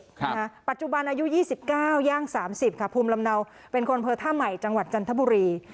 ค่ะปัจจุบันอายุยี่สิบเก้าย่างสามสิบค่ะภูมิลำเนาเป็นคนเผลอท่าใหม่จังหวัดจันทบุรี